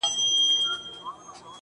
د داســي زيـري انـتــظـار كـومــه,